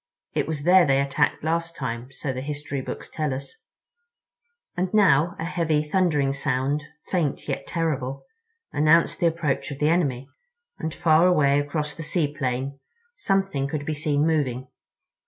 It was there they attacked last time, so the history books tell us." And now a heavy, thundering sound, faint yet terrible, announced the approach of the enemy—and far away across the sea plain something could be seen moving.